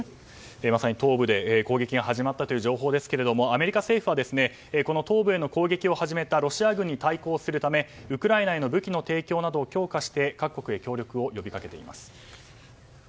まさに東部で攻撃が始まったという情報ですけれどもアメリカ政府は東部への攻撃を始めたロシア軍に対抗するためウクライナへの武器の提供などを強化して各国へ協力を呼び掛けています。